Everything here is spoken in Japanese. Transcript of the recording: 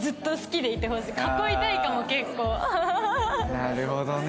なるほどね。